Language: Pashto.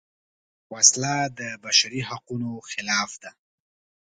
وسله د بشري حقونو خلاف ده